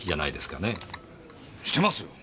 してますよ！